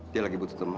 dia lagi butuh teman